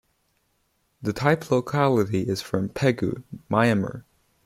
The type locality is from Pegu, Myanmar.